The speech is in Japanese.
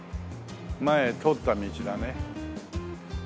前通った道だね。